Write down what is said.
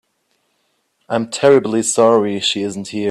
I'm terribly sorry she isn't here.